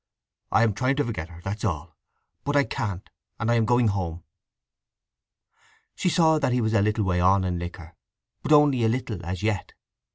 … I'm trying to forget her: that's all! But I can't; and I am going home." She saw that he was a little way on in liquor, but only a little as yet.